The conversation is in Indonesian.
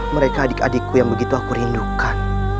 mereka adik adikku yang begitu aku rindukan